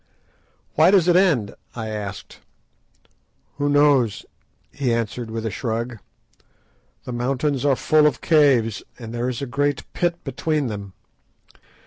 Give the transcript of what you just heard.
"Why does it end?" I asked. "Who knows?" he answered with a shrug; "the mountains are full of caves, and there is a great pit between them.